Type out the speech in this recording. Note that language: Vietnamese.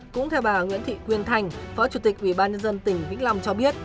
cũng theo bà nguyễn thị quyên thanh phó chủ tịch ủy ban nhân dân tỉnh vĩnh lòng cho biết